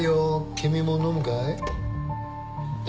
君も飲むかい？